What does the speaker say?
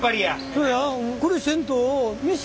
そうや。